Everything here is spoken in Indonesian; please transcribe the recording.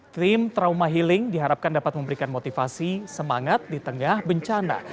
tim trauma healing diharapkan dapat memberikan motivasi semangat di tengah bencana